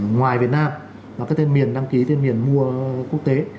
ngoài việt nam là cái tên miền đăng ký tên miền mua quốc tế